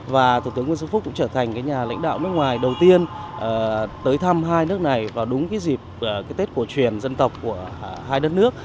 và thủ tướng nguyễn xuân phúc cũng trở thành nhà lãnh đạo nước ngoài đầu tiên tới thăm hai nước này vào đúng cái dịp tết cổ truyền dân tộc của hai đất nước